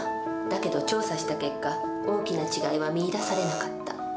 だけど調査した結果大きな違いは見いだされなかった。